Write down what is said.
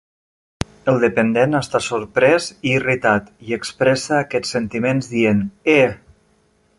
El dependent està sorprès i irritat i expressa aquests sentiments dient: Eh!